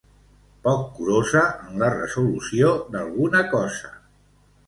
Poc curosa en la resolució d'alguna cosa.